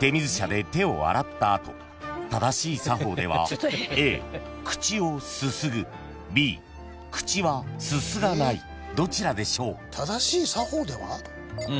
手水舎で手を洗った後正しい作法ではＡ口をすすぐＢ口はすすがないどちらでしょう？